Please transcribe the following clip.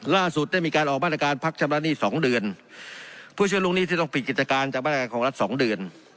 ล่าสุดได้มีการออกบ้านอาการพักชำระหนี้๒เดือนผู้เชื้อลุงหนี้จะต้องปิดกิจการจากบ้านอาการของรัฐ๒เดือน